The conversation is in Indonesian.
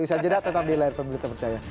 usaha jeda tetap di layar pemilu tak percaya